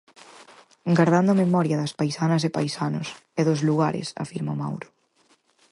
Gardando a memoria das paisanas e paisanos, e dos lugares afirma Mauro.